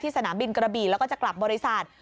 สนามบินกระบี่แล้วก็จะกลับบริษัท